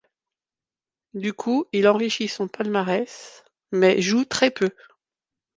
Du coup il enrichit son palmarès mais joue très peu.